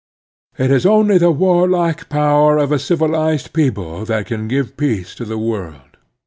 It is only the warlike power of a civilized people that can give peace to the world.